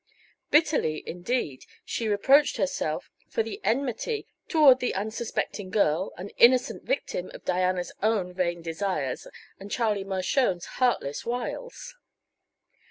Bitterly, indeed, she reproached herself for her enmity toward the unsuspecting girl, an innocent victim of Diana's own vain desires and Charles Mershone's heartless wiles.